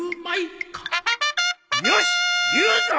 よし言うぞ！